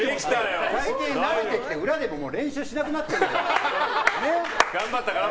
最近慣れてきて裏で練習しなくなってきた。